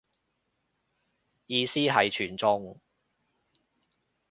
意思係全中